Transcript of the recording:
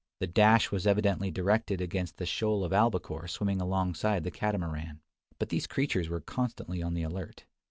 The dash was evidently directed against the shoal of albacore swimming alongside the Catamaran. But these creatures were constantly on the alert.